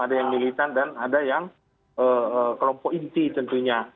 ada yang militan dan ada yang kelompok inti tentunya